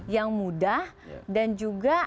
yang mudah dan juga